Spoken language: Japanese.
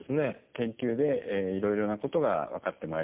研究でいろいろなことが分かってまいりました。